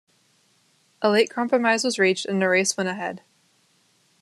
A late compromise was reached and the race went ahead.